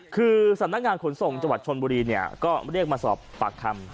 คือสำนักงานขนส่งจังหวัดชนบุรีเนี่ยก็เรียกมาสอบปากคำ